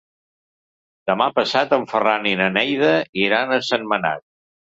Demà passat en Ferran i na Neida iran a Sentmenat.